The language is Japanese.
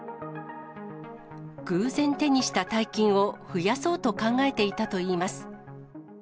偶然手にした大金を増やそうと考えていたといいます。